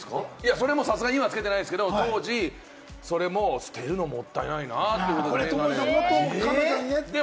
それもさすがに、今はつけてないですけど当時、それも捨てるのはもったいないなぁということで。